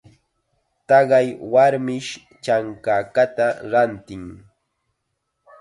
Taqay warmish chankakata rantin.